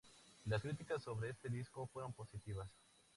Las críticas sobre este disco fueron positivas.